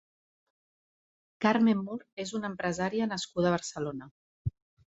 Carmen Mur és una empresària nascuda a Barcelona.